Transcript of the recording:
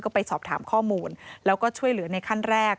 ก็ไปสอบถามข้อมูลแล้วก็ช่วยเหลือในขั้นแรก